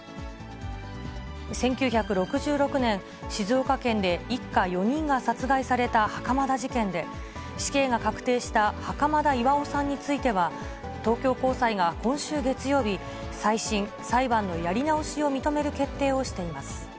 １９６６年、静岡県で一家４人が殺害された袴田事件で、死刑が確定した袴田巌さんについては、東京高裁が今週月曜日、再審・裁判のやり直しを認める決定をしています。